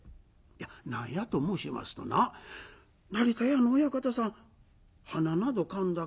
いや何やと申しますとな成田屋の親方さんはななどかんだ